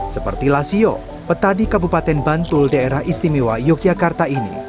seperti lasio petani kabupaten bantul daerah istimewa yogyakarta ini